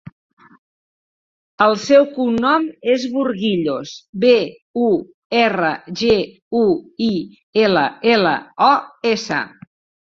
El seu cognom és Burguillos: be, u, erra, ge, u, i, ela, ela, o, essa.